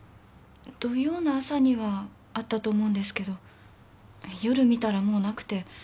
土曜の朝にはあったと思うんですけど夜見たらもうなくて。